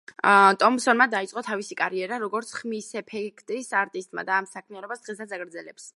ტომპსონმა დაიწყო თავისი კარიერა, როგორც ხმისეფექტების არტისტმა, ამ საქმიანობას დღესაც აგრძელბს.